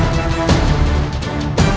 anda jangan ayah anda